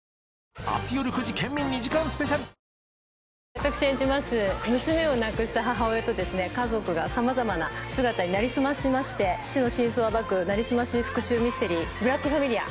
私演じます娘を亡くした母親と家族がさまざまな姿に成り済ましまして死の真相を暴く成り済まし復讐ミステリー『ブラックファミリア』。